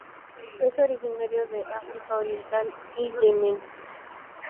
Es originario de África Oriental y Yemen.